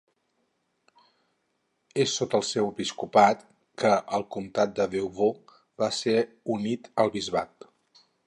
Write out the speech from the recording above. És sota el seu episcopat que el comtat de Beauvais va ser unit al bisbat.